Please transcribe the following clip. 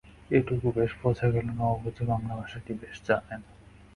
এটুকু বেশ বোঝা গেল, নববধূ বাংলাভাষাটি বেশ জানেন।